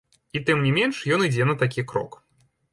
І тым не менш, ён ідзе на такі крок.